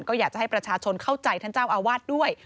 ก็อยากจะให้ประชาชนเข้าใจท่านเจ้าอาวาสด้วย